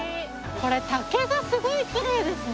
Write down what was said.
これ竹がすごいきれいですね。